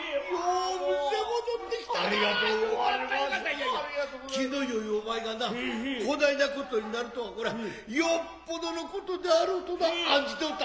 イヤイヤ気のよいお前がなこないな事になるとはコリャよっぽどの事であろうとな案じておった。